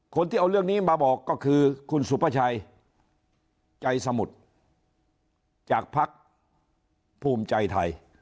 คนที่เอาเรื่องนี้มาบอกก็คือคุณสุภาชัยใจสมุทรจากภักดิ์ภูมิใจไทย